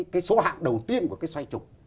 cái số hạng đầu tiên của cái xoay trục